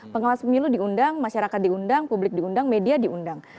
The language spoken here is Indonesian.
pengawas pemilu diundang masyarakat diundang publik diundang media diundang